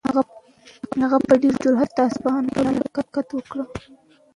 هغه په ډېر جرئت د اصفهان په لور حرکت وکړ.